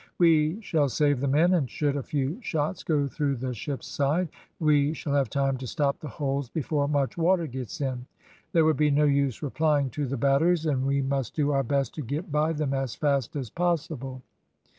"We shall save the men, and should a few shots go through the ship's side we shall have time to stop the holes before much water gets in; there would be no use replying to the batteries, and we must do our best to get by them as fast as possible."